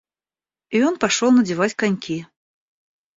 И он пошел надевать коньки.